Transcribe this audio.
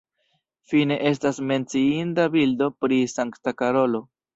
Fine estas menciinda bildo pri Sankta Karolo.